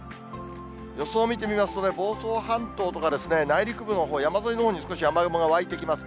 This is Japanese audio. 予想見てみますと、房総半島とか内陸部のほう、山沿いのほうに少し雨雲が湧いてきます。